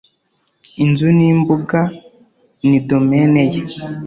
inzu n'imbuga ni domaine ye